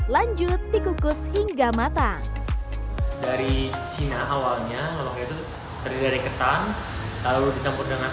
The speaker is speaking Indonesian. lanjut dikukus hingga matang dari cina awalnya lomakai itu terdiri dari ketan lalu dicampur dengan